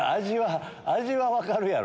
味は分かるやろ。